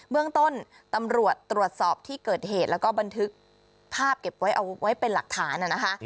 เมืองต้นตำรวจตรวจสอบที่เกิดเหตุแล้วก็บันทึกภาพเก็บไว้เอาไว้เป็นหลักฐานนะคะ